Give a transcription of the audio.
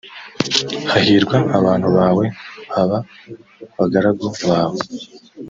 hahirwa abantu bawe aba bagaragu bawe